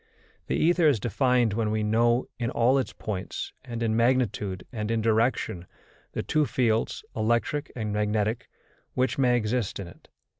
The ether is defined when we know, in all its points, and in magnitude and in direction, the two fields, electric and magnetic, which may exist in it.